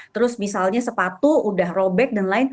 terus misalnya sepatu udah robek dan lain